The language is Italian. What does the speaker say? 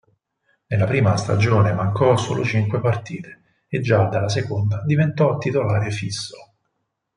Nella prima stagione mancò solo cinque partite, e già dalla seconda diventò titolare fisso.